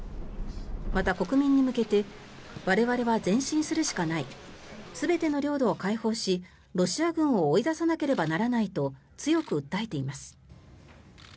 また、国民に向けて我々は前進するしかない全ての領土を解放しロシア軍を追い出さなければならないと強く訴えています。